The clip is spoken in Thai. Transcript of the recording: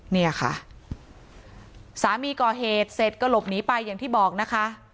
เนี่ยค่ะสามีก่อเหตุเสร็จก็หลบหนีไปอย่างที่บอกนะคะ